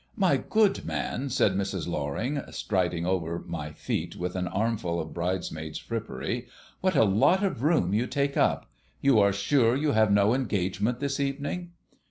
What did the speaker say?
"My good man," said Mrs. Loring, striding over my feet with an armful of bridesmaids' frippery, "what a lot of room you take up! You are sure you have no engagement this evening?"